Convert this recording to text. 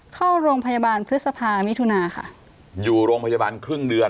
เข้าโรงพยาบาลพฤษภามิถุนาค่ะอยู่โรงพยาบาลครึ่งเดือน